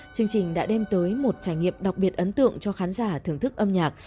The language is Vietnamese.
chương trình đã đem tới một trải nghiệm đặc biệt ấn tượng cho khán giả thưởng thức âm nhạc